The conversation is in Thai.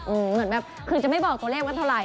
เหมือนแบบคือจะไม่บอกตัวเลขว่าเท่าไห